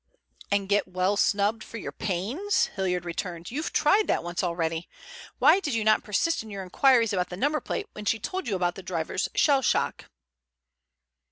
"And get well snubbed for your pains?" Hilliard returned. "You've tried that once already. Why did you not persist in your inquiries about the number plate when she told you about the driver's shell shock?"